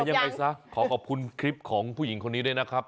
ยังไงซะขอขอบคุณคลิปของผู้หญิงคนนี้ด้วยนะครับ